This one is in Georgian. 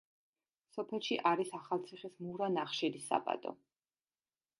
სოფელში არის ახალციხის მურა ნახშირის საბადო.